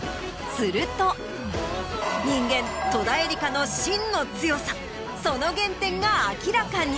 すると人間戸田恵梨香の芯の強さその原点が明らかに。